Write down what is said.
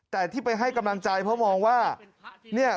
แต่ที่ไปให้กำลังใจเพราะมองว่าเนี่ย